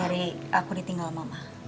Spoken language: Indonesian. dari aku ditinggal mama